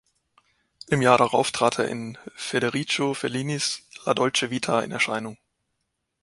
Im Jahr darauf trat er in Federico Fellinis "La dolce vita" in Erscheinung.